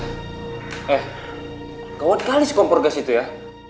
eh kau wat kalis kompor gas itu ya